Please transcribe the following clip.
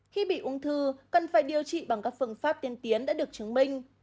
khi bị ung thư cần phải điều trị bằng các phương pháp tiên tiến đã được chứng minh